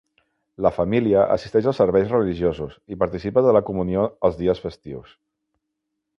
La família assisteix als serveis religiosos i participa de la comunió els dies festius.